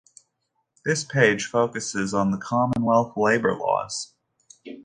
This page focuses on the Commonwealth labour laws.